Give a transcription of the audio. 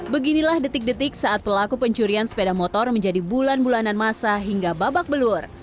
beginilah detik detik saat pelaku pencurian sepeda motor menjadi bulan bulanan masa hingga babak belur